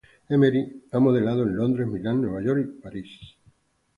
Emery ha modelado en Londres, Milan, Nueva York, y París.